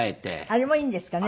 あれもいいんですかね？